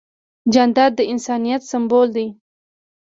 جانداد د انسانیت سمبول دی.